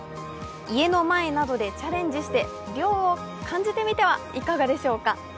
家の前などでチャレンジして、涼を感じてみてはいかがでしょうか？